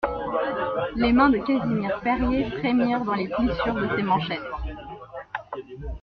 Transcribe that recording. Les mains de Casimir Perier frémirent dans les plissures de ses manchettes.